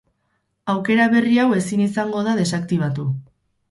Aukera berri hau ezin izango da desaktibatu.